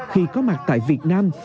khi có mặt tại việt nam